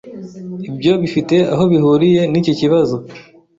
Ibyo bifite aho bihuriye niki kibazo.